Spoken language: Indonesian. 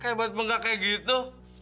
kayak banget muka kayak gitu